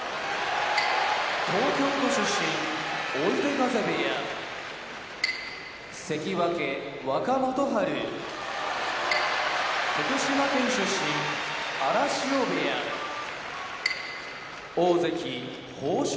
東京都出身追手風部屋関脇・若元春福島県出身荒汐部屋大関豊昇